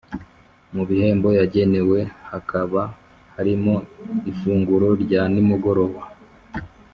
mu bihembo yagenewe hakaba harimo ifunguro rya nimugoroba